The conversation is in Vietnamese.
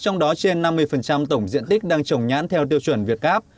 trong đó trên năm mươi tổng diện tích đang trồng nhãn theo tiêu chuẩn việt gáp